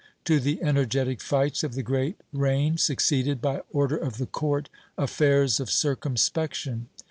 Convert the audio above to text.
To the energetic fights of the great reign succeeded, by order of the court, 'affairs of circumspection.'